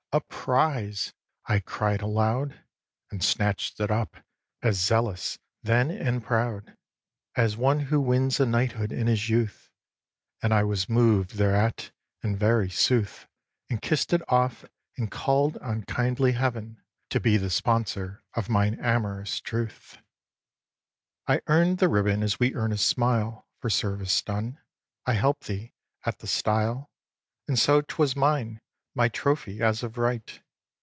"A prize!" I cried aloud, And snatch'd it up, as zealous then, and proud, As one who wins a knighthood in his youth; And I was moved thereat, in very sooth, And kiss'd it oft, and call'd on kindly Heaven To be the sponsor of mine amorous truth. x. I Earn'd the ribbon as we earn a smile For service done. I help'd thee at the stile; And so 'twas mine, my trophy, as of right.